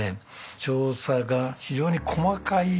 調査が非常に細かいですよね。